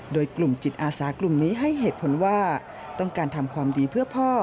โดยกลุ่มจิตอาสากลุ่มนี้ให้เหตุผลว่าต้องการทำความดีเพื่อพ่อ